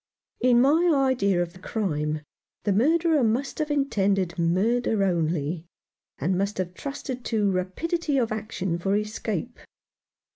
In my idea of the crime, the murderer must have intended murder only, and must have trusted to rapidity of action for escape.